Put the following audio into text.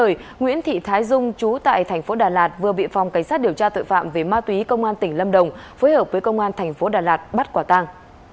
trong sáng ngày một mươi chín tháng bốn nguyễn thị thái dung chú tại thành phố đà lạt vừa bị phòng cảnh sát điều tra tội phạm về ma túy công an tỉnh lâm đồng phối hợp với công an thành phố đà lạt bắt quả tàng